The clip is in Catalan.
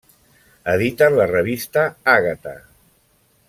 Editen la revista Àgata.